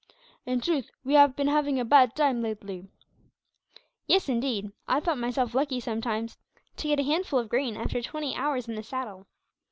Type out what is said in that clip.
In truth, we have been having a bad time, lately." "Yes, indeed; I thought myself lucky, sometimes, to get a handful of grain after twenty hours in the saddle.